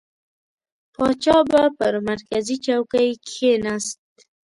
پاچا به پر مرکزي چوکۍ کښېنست.